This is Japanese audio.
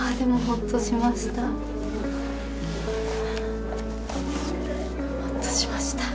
ほっとしました。